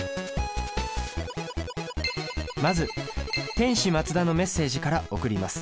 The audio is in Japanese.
まず天使マツダのメッセージから送ります。